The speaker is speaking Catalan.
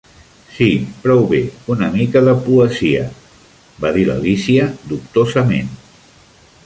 "Sí, prou bé, una mica de poesia", va dir l'Alícia dubtosament.